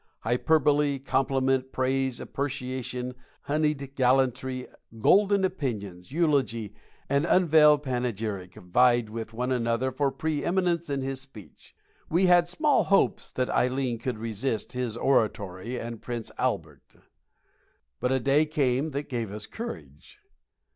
Hyperbole, compliment, praise, appreciation, honeyed gallantry, golden opinions, eulogy, and unveiled panegyric vied with one another for pre eminence in his speech. We had small hopes that Ileen could resist his oratory and Prince Albert. But a day came that gave us courage.